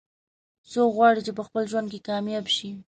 څوک غواړي چې په خپل ژوند کې کامیاب شي